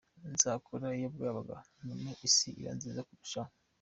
Nzakora iyo bwabaga ntume isi iba nziza kurushaho.